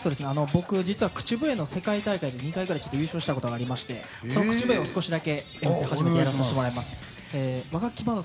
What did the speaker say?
僕、実は口笛の世界大会で２回ぐらい優勝したことがありましてその口笛を少しだけやらせていただきます。